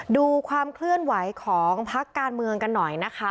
ดูความเคลื่อนไหวของพักการเมืองกันหน่อยนะคะ